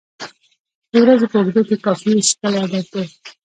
د ورځې په اوږدو کې کافي څښل عادت دی.